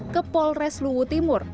ke polres luwu timur